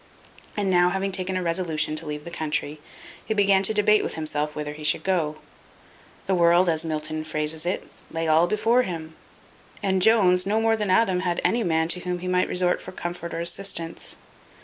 And now having taken a resolution to leave the country, he began to debate with himself whither he should go. The world, as Milton phrases it, lay all before him; and Jones, no more than Adam, had any man to whom he might resort for comfort or assistance.